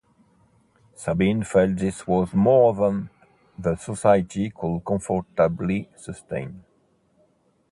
Sabine felt this was more than the Society could comfortably sustain.